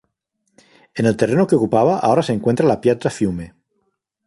En el terreno que ocupaba, ahora se encuentra la Piazza Fiume.